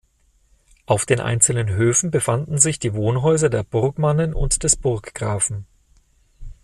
Auf den einzelnen Höfen befanden sich die Wohnhäuser der Burgmannen und des Burggrafen.